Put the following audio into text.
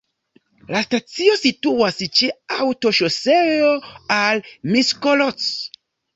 La stacio situas ĉe aŭtoŝoseo al Miskolc.